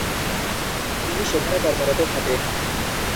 তিনি সেখানে কর্মরত থাকেন।